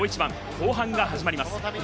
後半が始まります。